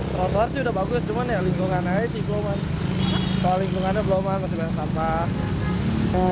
trotoar sih sudah bagus cuma lingkungan aja sih belum soal lingkungannya belum masih banyak sampah